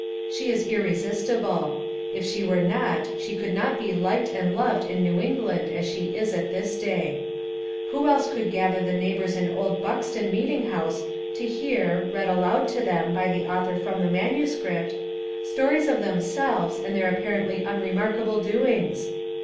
She is irresistible ; if she were not she could not be liked and loved in New England as she is at this day. Who else could gather the neighbors in Old Buxton Meeting House to hear, read aloud to them by the author from the manuscript, stories of themselves and their apparently unremarkable doings